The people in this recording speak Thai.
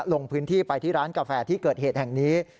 ลงพื้นที่ไปที่ร้านกาแฟที่เกิดเหตุแห่งนี้